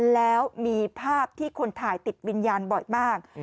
แล้วมีภาพที่คนถ่ายติดวิญญาณบ่อยมาก